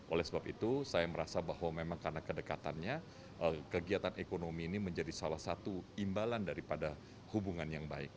oleh sebab itu saya merasa bahwa memang karena kedekatannya kegiatan ekonomi ini menjadi salah satu imbalan daripada hubungan yang baik